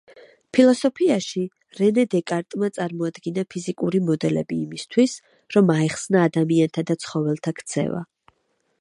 ფილოსოფიაში, რენე დეკარტმა წარმოადგინა ფიზიკური მოდელები იმისთვის, რომ აეხსნა ადამიანთა და ცხოველთა ქცევა.